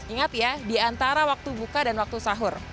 ingat ya di antara waktu buka dan waktu sahur